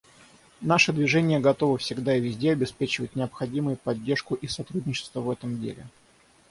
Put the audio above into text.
Наше Движение готово всегда и везде обеспечивать необходимые поддержку и сотрудничество в этом деле.